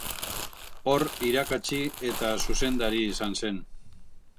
Hor irakatsi eta zuzendari izan zen.